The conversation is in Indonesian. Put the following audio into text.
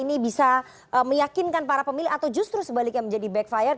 ini bisa meyakinkan para pemilih atau justru sebaliknya menjadi backfire